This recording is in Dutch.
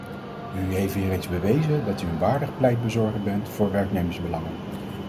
U heeft weer eens bewezen dat u een waardig pleitbezorger bent voor werknemersbelangen.